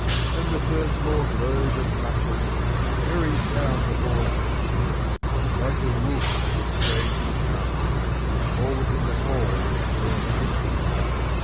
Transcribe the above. And the firm floor glows and rustles, Merry sound the horns and fiddles; Like a woof of strange enchantment, All within the hall is whirling.